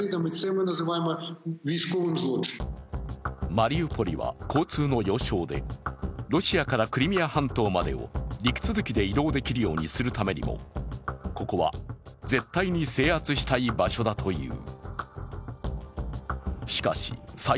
マリウポリは交通の要衝で、ロシアからクリミア半島までを陸続きで移動できるようにするためにもここは絶対に制圧したい場所だという。